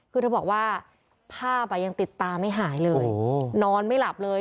คือเธอบอกว่าภาพยังติดตาไม่หายเลยนอนไม่หลับเลย